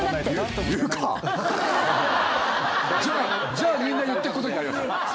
じゃあみんな言ってくことになりますよ。